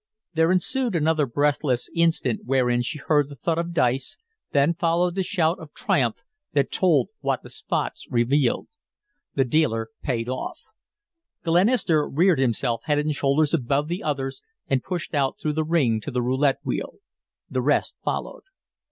There ensued another breathless instant wherein she heard the thud of dice, then followed the shout of triumph that told what the spots revealed. The dealer payed off. Glenister reared himself head and shoulders above the others and pushed out through the ring to the roulette wheel. The rest followed.